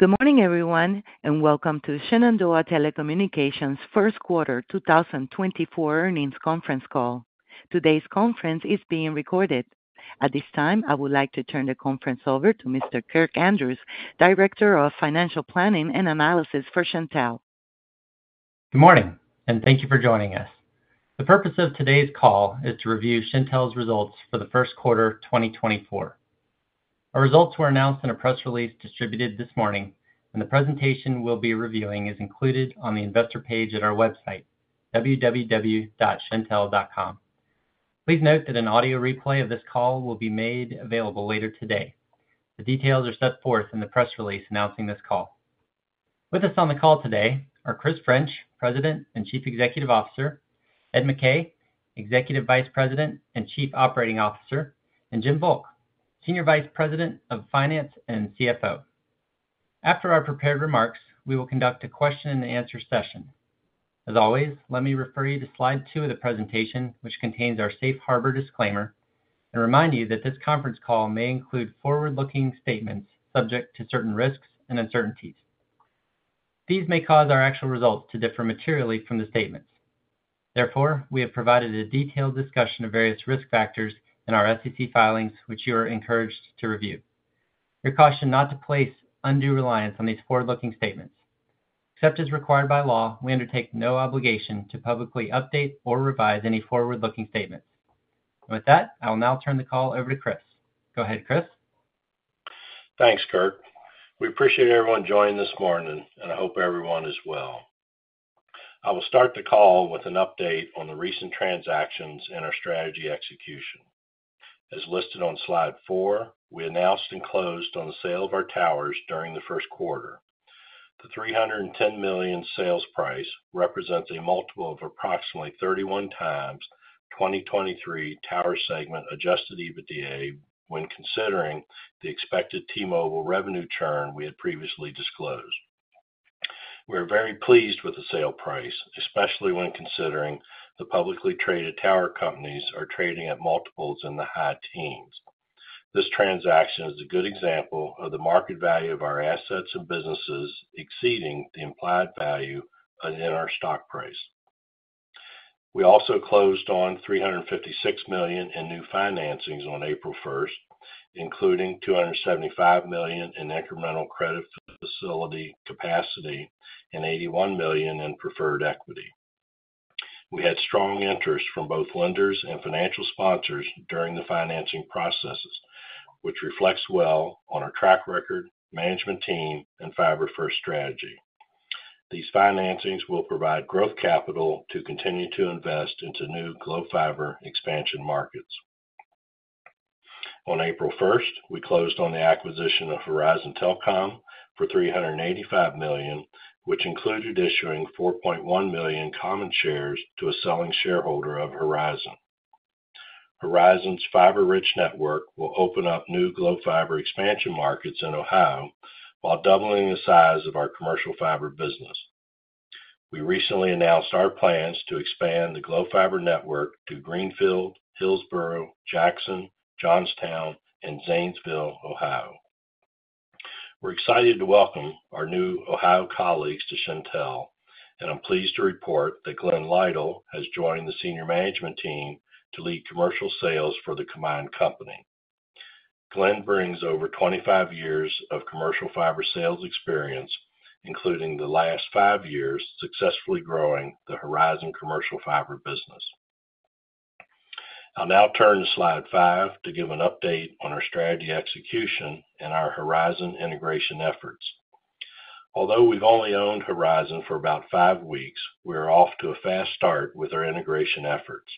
Good morning, everyone, and welcome to Shenandoah Telecommunications' first quarter 2024 earnings conference call. Today's conference is being recorded. At this time, I would like to turn the conference over to Mr. Kirk Andrews, Director of Financial Planning and Analysis for Shentel. Good morning, and thank you for joining us. The purpose of today's call is to review Shentel's results for the first quarter of 2024. Our results were announced in a press release distributed this morning, and the presentation we'll be reviewing is included on the investor page at our website, www.shentel.com. Please note that an audio replay of this call will be made available later today. The details are set forth in the press release announcing this call. With us on the call today are Chris French, President and Chief Executive Officer, Ed McKay, Executive Vice President and Chief Operating Officer, and Jim Volk, Senior Vice President of Finance and CFO. After our prepared remarks, we will conduct a question and answer session. As always, let me refer you to slide two of the presentation, which contains our safe harbor disclaimer, and remind you that this conference call may include forward-looking statements subject to certain risks and uncertainties. These may cause our actual results to differ materially from the statements. Therefore, we have provided a detailed discussion of various risk factors in our SEC filings, which you are encouraged to review. You're cautioned not to place undue reliance on these forward-looking statements. Except as required by law, we undertake no obligation to publicly update or revise any forward-looking statements. With that, I will now turn the call over to Chris. Go ahead, Chris. Thanks, Kirk. We appreciate everyone joining this morning, and I hope everyone is well. I will start the call with an update on the recent transactions and our strategy execution. As listed on slide 4, we announced and closed on the sale of our towers during the first quarter. The $310 million sales price represents a multiple of approximately 31x 2023 tower segment Adjusted EBITDA when considering the expected T-Mobile revenue churn we had previously disclosed. We are very pleased with the sale price, especially when considering the publicly traded tower companies are trading at multiples in the high teens. This transaction is a good example of the market value of our assets and businesses exceeding the implied value in our stock price. We also closed on $356 million in new financings on April 1, including $275 million in incremental credit facility capacity and $81 million in preferred equity. We had strong interest from both lenders and financial sponsors during the financing processes, which reflects well on our track record, management team, and fiber-first strategy. These financings will provide growth capital to continue to invest into new Glo Fiber expansion markets. On April 1, we closed on the acquisition of Horizon Telcom for $385 million, which included issuing 4.1 million common shares to a selling shareholder of Horizon. Horizon's fiber-rich network will open up new Glo Fiber expansion markets in Ohio while doubling the size of our commercial fiber business. We recently announced our plans to expand the Glo Fiber network to Greenfield, Hillsboro, Jackson, Johnstown, and Zanesville, Ohio. We're excited to welcome our new Ohio colleagues to Shentel, and I'm pleased to report that Glenn Lytle has joined the senior management team to lead commercial sales for the combined company. Glenn brings over 25 years of commercial fiber sales experience, including the last 5 years successfully growing the Horizon commercial fiber business. I'll now turn to slide 5 to give an update on our strategy execution and our Horizon integration efforts. Although we've only owned Horizon for about 5 weeks, we are off to a fast start with our integration efforts.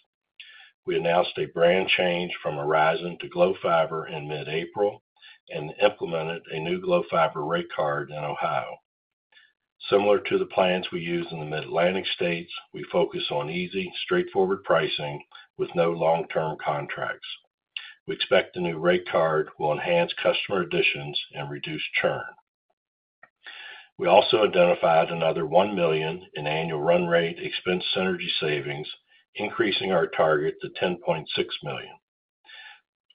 We announced a brand change from Horizon to Glo Fiber in mid-April and implemented a new Glo Fiber rate card in Ohio. Similar to the plans we use in the Mid-Atlantic states, we focus on easy, straightforward pricing with no long-term contracts. We expect the new rate card will enhance customer additions and reduce churn. We also identified another $1 million in annual run rate expense synergy savings, increasing our target to $10.6 million.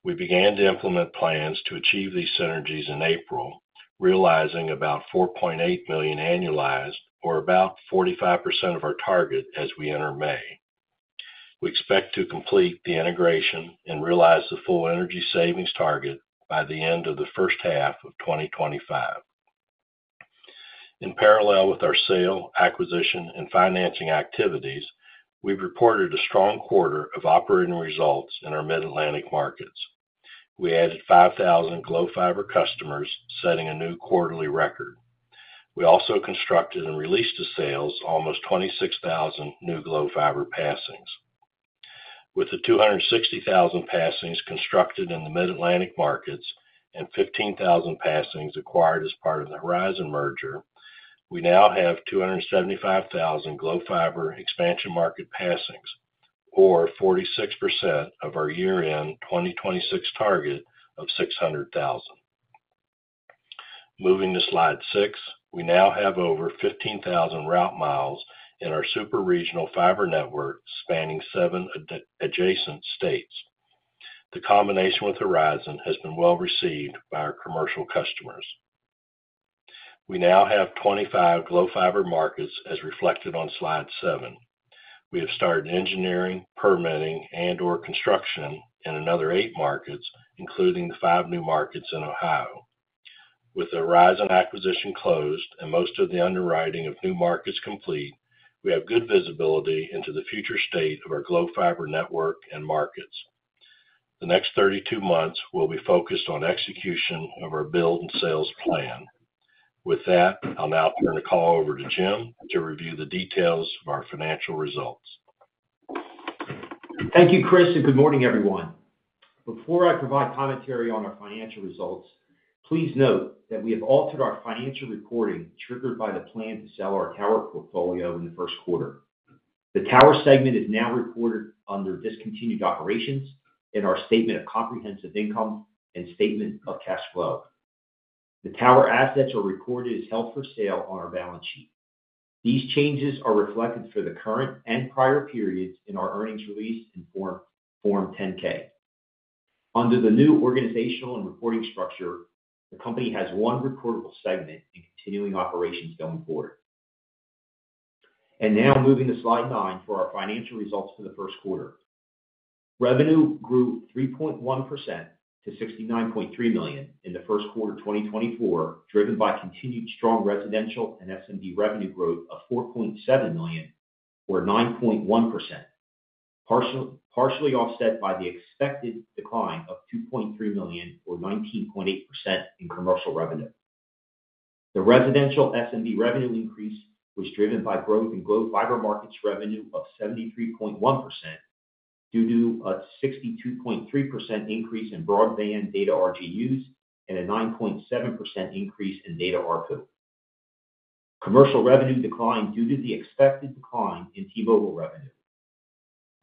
We began to implement plans to achieve these synergies in April, realizing about $4.8 million annualized or about 45% of our target as we enter May. We expect to complete the integration and realize the full synergy savings target by the end of the first half of 2025. In parallel with our sale, acquisition, and financing activities, we've reported a strong quarter of operating results in our Mid-Atlantic markets. We added 5,000 Glo Fiber customers, setting a new quarterly record. We also constructed and released to sales almost 26,000 new Glo Fiber passings. With the 260,000 passings constructed in the Mid-Atlantic markets and 15,000 passings acquired as part of the Horizon merger, we now have 275,000 Glo Fiber expansion market passings, or 46% of our year-end 2026 target of 600,000. Moving to slide six, we now have over 15,000 route miles in our super regional fiber network, spanning seven adjacent states. The combination with Horizon has been well received by our commercial customers. We now have 25 Glo Fiber markets, as reflected on slide seven. We have started engineering, permitting, and/or construction in another eight markets, including the five new markets in Ohio. With the Horizon acquisition closed and most of the underwriting of new markets complete, we have good visibility into the future state of our Glo Fiber network and markets. The next 32 months will be focused on execution of our build and sales plan. With that, I'll now turn the call over to Jim to review the details of our financial results. Thank you, Chris, and good morning, everyone. Before I provide commentary on our financial results, please note that we have altered our financial reporting, triggered by the plan to sell our tower portfolio in the first quarter. The tower segment is now reported under discontinued operations in our statement of comprehensive income and statement of cash flow. The tower assets are recorded as held for sale on our balance sheet. These changes are reflected for the current and prior periods in our earnings release in Form 10-K. Under the new organizational and reporting structure, the company has one recordable segment in continuing operations going forward. Now moving to slide 9 for our financial results for the first quarter. Revenue grew 3.1% to $69.3 million in the first quarter of 2024, driven by continued strong residential and SMB revenue growth of $4.7 million, or 9.1%, partially offset by the expected decline of $2.3 million, or 19.8% in commercial revenue. The residential SMB revenue increase was driven by growth in Glo Fiber markets revenue of 73.1%, due to a 62.3% increase in broadband data RGUs and a 9.7% increase in data ARPU. Commercial revenue declined due to the expected decline in T-Mobile revenue.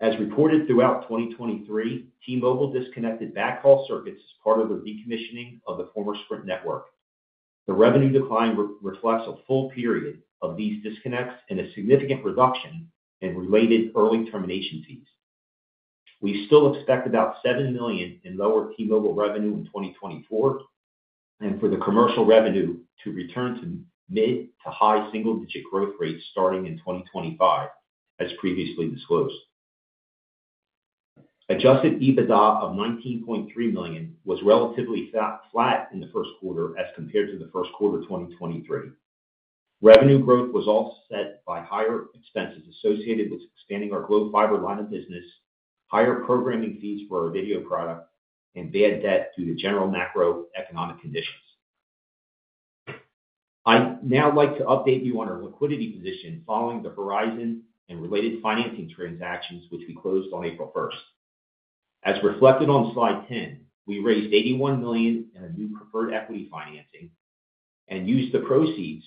As reported throughout 2023, T-Mobile disconnected backhaul circuits as part of the decommissioning of the former Sprint network. The revenue decline reflects a full period of these disconnects and a significant reduction in related early termination fees. We still expect about $7 million in lower T-Mobile revenue in 2024, and for the commercial revenue to return to mid- to high-single-digit growth rates starting in 2025, as previously disclosed. Adjusted EBITDA of $19.3 million was relatively flat, flat in the first quarter as compared to the first quarter of 2023. Revenue growth was offset by higher expenses associated with expanding our Glo Fiber line of business, higher programming fees for our video product, and bad debt due to general macroeconomic conditions. I'd now like to update you on our liquidity position following the Horizon and related financing transactions, which we closed on April 1st. As reflected on Slide 10, we raised $81 million in a new preferred equity financing and used the proceeds,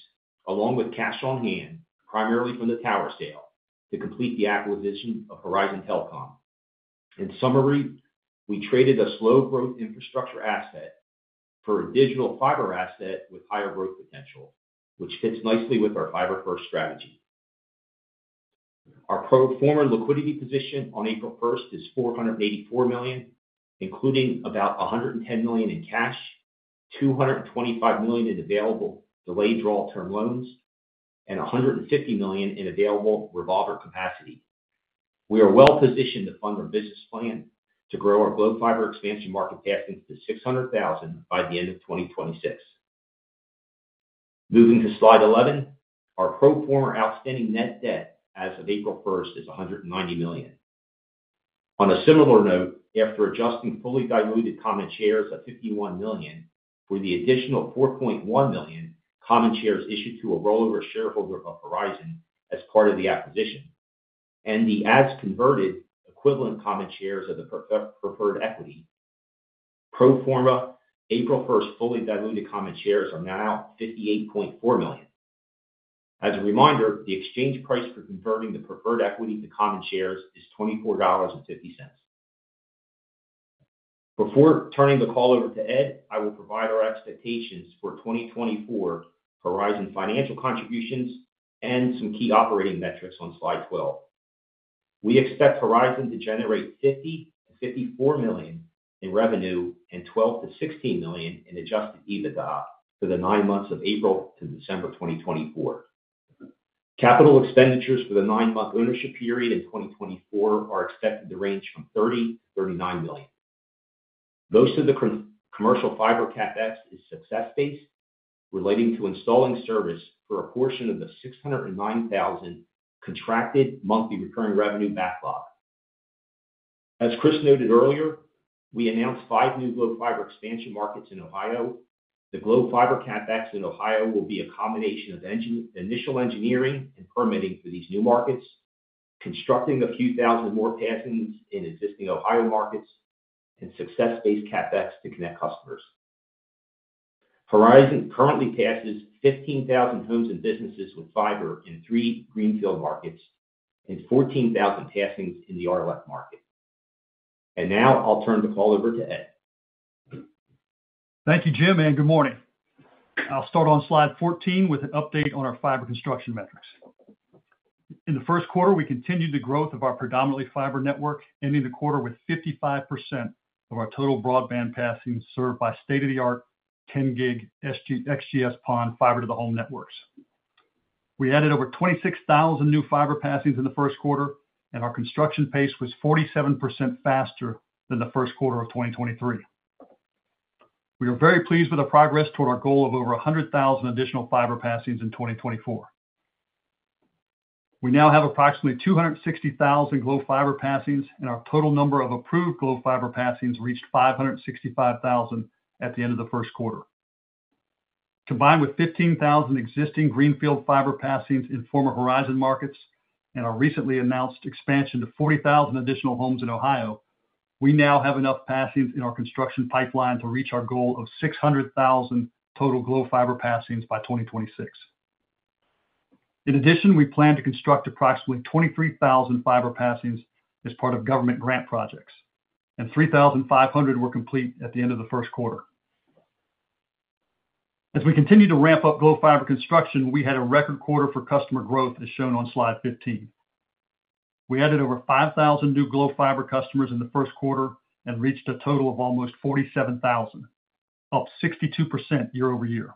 along with cash on hand, primarily from the tower sale, to complete the acquisition of Horizon Telcom. In summary, we traded a slow growth infrastructure asset for a digital fiber asset with higher growth potential, which fits nicely with our fiber-first strategy. Our pro forma liquidity position on April 1st is $484 million, including about $110 million in cash, $225 million in available delayed draw term loans, and $150 million in available revolver capacity. We are well positioned to fund our business plan to grow our Glo Fiber expansion market passings into 600,000 by the end of 2026. Moving to Slide 11, our pro forma outstanding net debt as of April 1st is $190 million. On a similar note, after adjusting fully diluted common shares of 51 million for the additional 4.1 million common shares issued to a rollover shareholder of Horizon as part of the acquisition, and the ads converted equivalent common shares of the preferred equity, pro forma April 1st fully diluted common shares are now 58.4 million. As a reminder, the exchange price for converting the preferred equity to common shares is $24.50. Before turning the call over to Ed, I will provide our expectations for 2024 Horizon financial contributions and some key operating metrics on Slide 12. We expect Horizon to generate $50-54 million in revenue and $12-16 million in Adjusted EBITDA for the nine months of April to December 2024. Capital expenditures for the nine-month ownership period in 2024 are expected to range from $30 million-$39 million. Most of the commercial fiber CapEx is success-based, relating to installing service for a portion of the $609,000 contracted monthly recurring revenue backlog. As Chris noted earlier, we announced 5 new Glo Fiber expansion markets in Ohio. The Glo Fiber CapEx in Ohio will be a combination of initial engineering and permitting for these new markets, constructing a few thousand more passings in existing Ohio markets, and success-based CapEx to connect customers. Horizon currently passes 15,000 homes and businesses with fiber in 3 greenfield markets and 14,000 passings in the RDOF market. And now I'll turn the call over to Ed.... Thank you, Jim, and good morning. I'll start on slide 14 with an update on our fiber construction metrics. In the first quarter, we continued the growth of our predominantly fiber network, ending the quarter with 55% of our total broadband passings served by state-of-the-art 10 gig XGS-PON fiber to the home networks. We added over 26,000 new fiber passings in the first quarter, and our construction pace was 47% faster than the first quarter of 2023. We are very pleased with the progress toward our goal of over 100,000 additional fiber passings in 2024. We now have approximately 260,000 Glo Fiber passings, and our total number of approved Glo Fiber passings reached 565,000 at the end of the first quarter. Combined with 15,000 existing greenfield fiber passings in former Horizon markets and our recently announced expansion to 40,000 additional homes in Ohio, we now have enough passings in our construction pipeline to reach our goal of 600,000 total Glo Fiber passings by 2026. In addition, we plan to construct approximately 23,000 fiber passings as part of government grant projects, and 3,500 were complete at the end of the first quarter. As we continue to ramp up Glo Fiber construction, we had a record quarter for customer growth, as shown on slide 15. We added over 5,000 new Glo Fiber customers in the first quarter and reached a total of almost 47,000, up 62% year-over-year.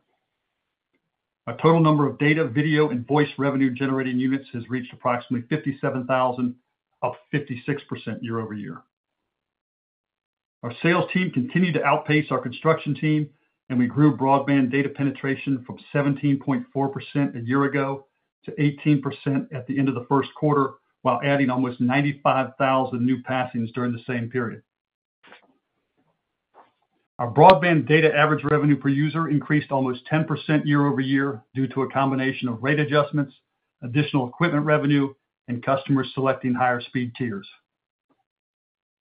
Our total number of data, video, and voice revenue-generating units has reached approximately 57,000, up 56% year-over-year. Our sales team continued to outpace our construction team, and we grew broadband data penetration from 17.4% a year ago to 18% at the end of the first quarter, while adding almost 95,000 new passings during the same period. Our broadband data average revenue per user increased almost 10% year-over-year due to a combination of rate adjustments, additional equipment revenue, and customers selecting higher speed tiers.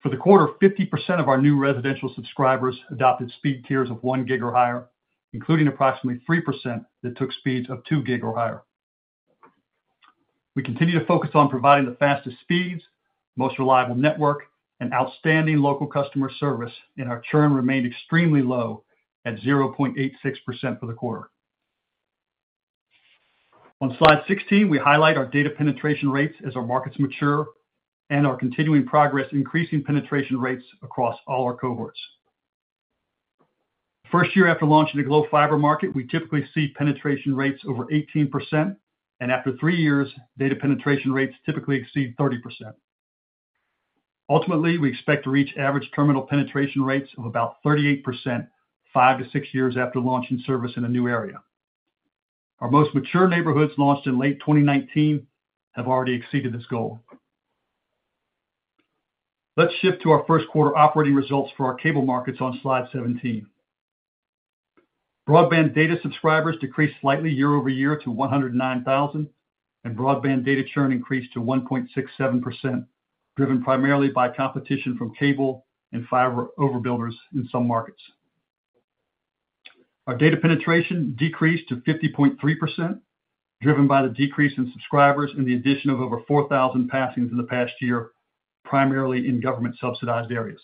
For the quarter, 50% of our new residential subscribers adopted speed tiers of 1 gig or higher, including approximately 3% that took speeds of 2 gig or higher. We continue to focus on providing the fastest speeds, most reliable network, and outstanding local customer service, and our churn remained extremely low at 0.86% for the quarter. On slide 16, we highlight our data penetration rates as our markets mature and our continuing progress, increasing penetration rates across all our cohorts. First year after launching a Glo Fiber market, we typically see penetration rates over 18%, and after three years, data penetration rates typically exceed 30%. Ultimately, we expect to reach average terminal penetration rates of about 38%, 5-6 years after launching service in a new area. Our most mature neighborhoods, launched in late 2019, have already exceeded this goal. Let's shift to our first quarter operating results for our cable markets on slide 17. Broadband data subscribers decreased slightly year-over-year to 109,000, and broadband data churn increased to 1.67%, driven primarily by competition from cable and fiber overbuilders in some markets. Our data penetration decreased to 50.3%, driven by the decrease in subscribers and the addition of over 4,000 passings in the past year, primarily in government-subsidized areas.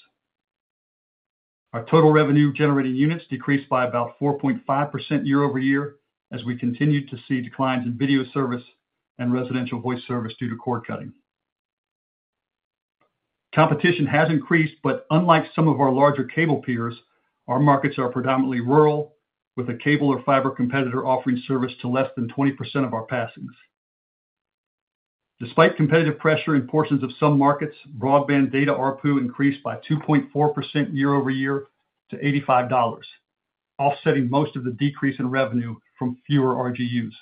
Our total revenue-generating units decreased by about 4.5% year-over-year, as we continued to see declines in video service and residential voice service due to cord cutting. Competition has increased, but unlike some of our larger cable peers, our markets are predominantly rural, with a cable or fiber competitor offering service to less than 20% of our passings. Despite competitive pressure in portions of some markets, broadband data ARPU increased by 2.4% year-over-year to $85, offsetting most of the decrease in revenue from fewer RGUs.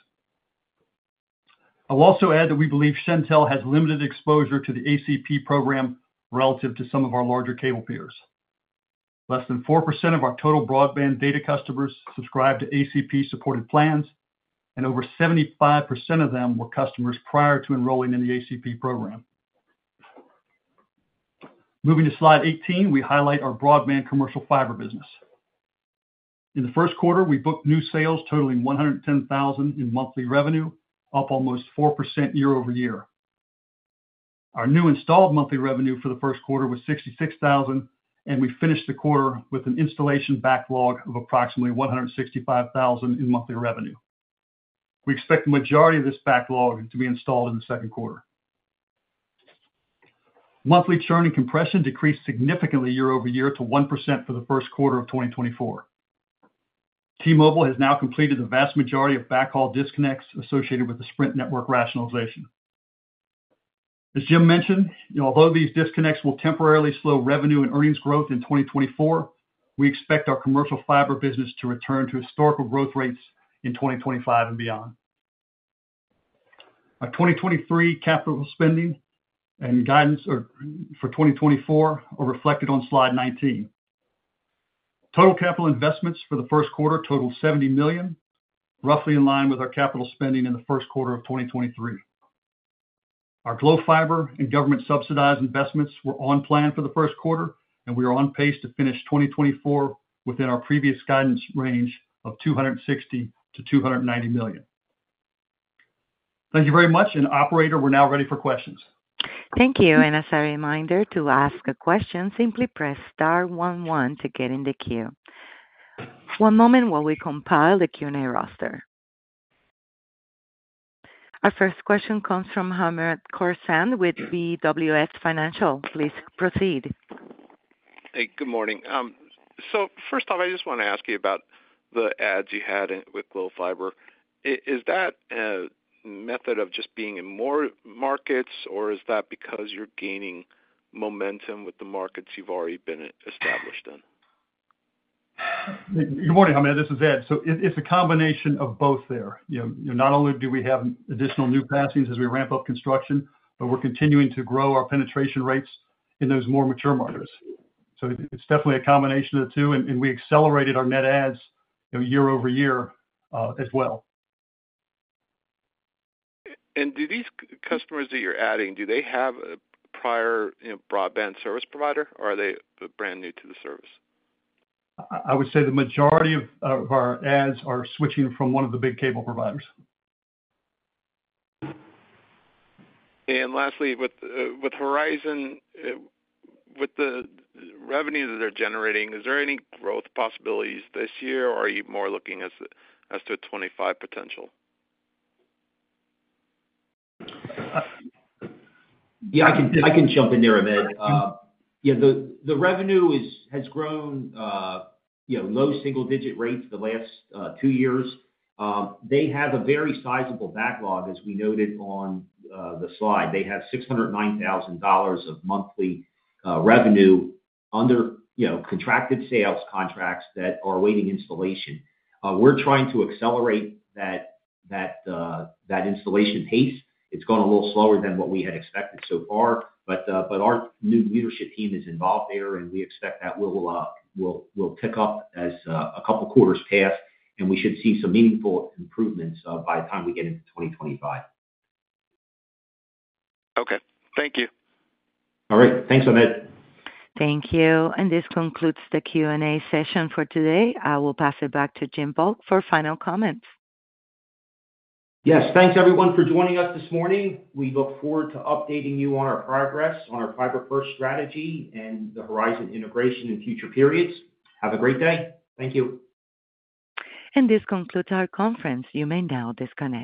I'll also add that we believe Shentel has limited exposure to the ACP program relative to some of our larger cable peers. Less than 4% of our total broadband data customers subscribe to ACP-supported plans, and over 75% of them were customers prior to enrolling in the ACP program. Moving to slide 18, we highlight our broadband commercial fiber business. In the first quarter, we booked new sales totaling $110,000 in monthly revenue, up almost 4% year-over-year. Our new installed monthly revenue for the first quarter was $66,000, and we finished the quarter with an installation backlog of approximately $165,000 in monthly revenue. We expect the majority of this backlog to be installed in the second quarter. Monthly churn and compression decreased significantly year-over-year to 1% for the first quarter of 2024. T-Mobile has now completed the vast majority of backhaul disconnects associated with the Sprint network rationalization. As Jim mentioned, although these disconnects will temporarily slow revenue and earnings growth in 2024, we expect our commercial fiber business to return to historical growth rates in 2025 and beyond. Our 2023 capital spending and guidance for 2024 are reflected on slide 19. Total capital investments for the first quarter totaled $70 million, roughly in line with our capital spending in the first quarter of 2023. Our Glo Fiber and government-subsidized investments were on plan for the first quarter, and we are on pace to finish 2024 within our previous guidance range of $260 million-$290 million. Thank you very much. Operator, we're now ready for questions. Thank you. As a reminder, to ask a question, simply press star one one to get in the queue. One moment while we compile the Q&A roster. Our first question comes from Hamid Khorsand with BWS Financial. Please proceed. Hey, good morning. So first off, I just want to ask you about the ads you had in with Glo Fiber. Is that method of just being in more markets, or is that because you're gaining momentum with the markets you've already been established in? Good morning, Hamid. This is Ed. So it's a combination of both there. You know, not only do we have additional new passings as we ramp up construction, but we're continuing to grow our penetration rates in those more mature markets. So it's definitely a combination of the two, and we accelerated our net adds, you know, year-over-year, as well. Do these customers that you're adding, do they have a prior, you know, broadband service provider, or are they brand new to the service? I would say the majority of our adds are switching from one of the big cable providers. Lastly, with Horizon, with the revenues that they're generating, is there any growth possibilities this year, or are you more looking to 2025 potential? Yeah, I can, I can jump in there, Hamid. Yeah, the revenue has grown, you know, low single digit rates the last two years. They have a very sizable backlog, as we noted on the slide. They have $609,000 of monthly revenue under, you know, contracted sales contracts that are awaiting installation. We're trying to accelerate that installation pace. It's gone a little slower than what we had expected so far, but our new leadership team is involved there, and we expect that will pick up as a couple of quarters pass, and we should see some meaningful improvements by the time we get into 2025. Okay. Thank you. All right. Thanks, Hamid. Thank you. This concludes the Q&A session for today. I will pass it back to Jim Volk for final comments. Yes, thanks everyone for joining us this morning. We look forward to updating you on our progress on our fiber first strategy and the Horizon integration in future periods. Have a great day. Thank you. This concludes our conference. You may now disconnect.